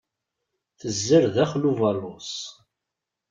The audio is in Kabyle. Tezzer daxel ubaluṣ.